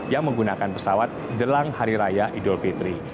yang menggunakan pesawat jelang hari raya idul fitri